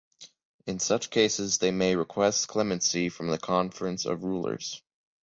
In such case, they may request clemency from the Conference of Rulers.